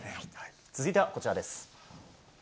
続いてはこちらです。